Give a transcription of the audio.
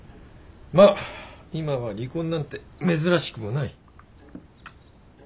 まあ今は離婚なんて珍しくもない。